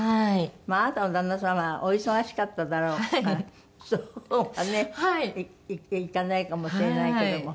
あなたの旦那様はお忙しかっただろうからそうはねいかないかもしれないけども。